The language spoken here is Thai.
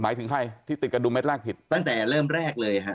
ถึงใครที่ติดกระดุมเด็ดแรกผิดตั้งแต่เริ่มแรกเลยฮะ